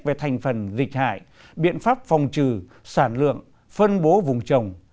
về thành phần dịch hại biện pháp phòng trừ sản lượng phân bố vùng trồng